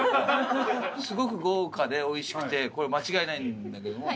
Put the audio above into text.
すごく豪華でおいしくてこれ間違いないんだけども。